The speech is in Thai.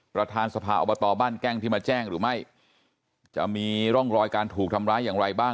ประธานสภาอบตบ้านแก้งที่มาแจ้งหรือไม่จะมีร่องรอยการถูกทำร้ายอย่างไรบ้าง